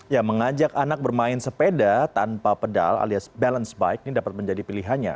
ya mengajak anak bermain sepeda tanpa pedal alias balance bike ini dapat menjadi pilihannya